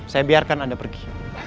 saya biarkan anda pergi